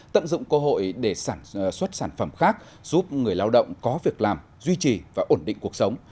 tận dụng cơ hội để sản xuất sản phẩm khác giúp người lao động có việc làm duy trì và ổn định cuộc sống